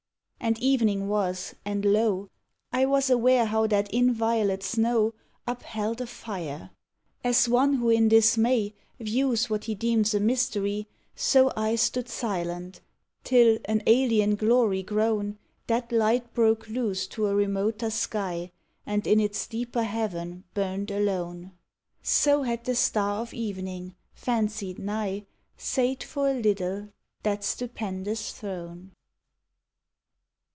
And evening was, and lo! I was aware how that inviolate snow Upheld a fire! As one who in dismay Views what he deems a mystery, so I Stood silent, till, an alien glory grown, That light broke loose to a remoter sky And in its deeper heaven burned alone. So had the star of evening, fancied nigh, Sate for a little that stupendous throne.